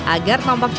agar tampak cantik